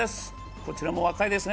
こちらも若いですね。